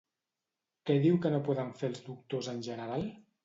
Què diu que no poden fer els doctors en general?